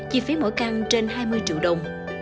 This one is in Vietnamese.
chi phí mỗi căn trên hai mươi triệu đồng